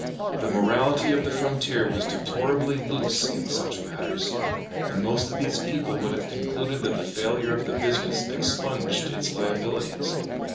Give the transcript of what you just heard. The morality of the frontier was deplorably loose in such matters, and most of these people would have concluded that the failure of the business expunged its liabilities.